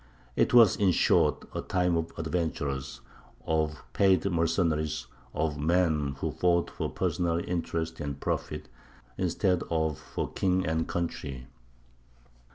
It was, in short, a time of adventurers, of paid mercenaries, of men who fought for personal interest and profit, instead of for king and country.